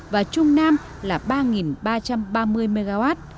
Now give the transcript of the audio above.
và trung nam là ba ba trăm ba mươi mw